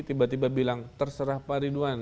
tiba tiba bilang terserah pak ridwan